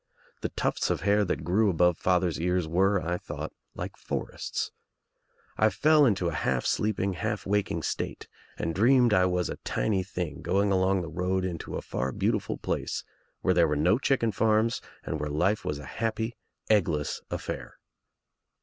The tufts of hair that grew above father's ears were, I thought, like forests, I fell into a half sleeping, half waking state and dreamed I was a tiny thing going along the road into a far beautiful place where there were no chicken farms and where life was a happy eggless affair.